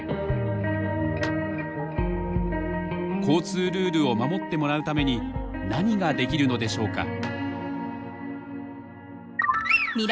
交通ルールを守ってもらうために何ができるのでしょうか？